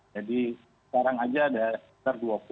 jadi sekarang aja ada